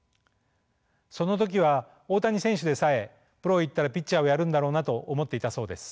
その時は大谷選手でさえプロへ行ったらピッチャーをやるんだろうなと思っていたそうです。